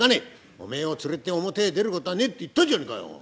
お前を連れて表へ出ることはねえ』って言ったじゃねえかよ！